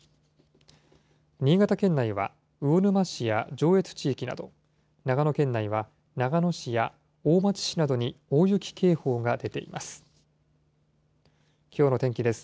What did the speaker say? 新潟県内は魚沼市や上越地域など、長野県内は長野市や大町市などに大雪警報が出ています。